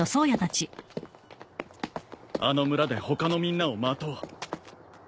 あの村で他のみんなを待とう。